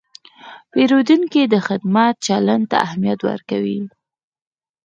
پیرودونکی د خدمت چلند ته اهمیت ورکوي.